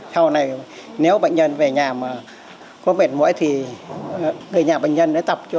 sau này nếu bệnh nhân về nhà mà có mệt mỏi thì người nhà bệnh nhân tập cho